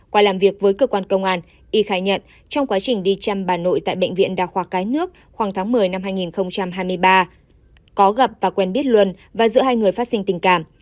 qua làm việc với cơ quan công an y khai nhận trong quá trình đi chăm bà nội tại bệnh viện đa khoa cái nước khoảng tháng một mươi năm hai nghìn hai mươi ba có gặp và quen biết luân và giữa hai người phát sinh tình cảm